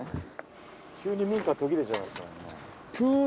急に民家途切れちゃいましたもんね。